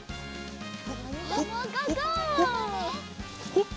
ほっ！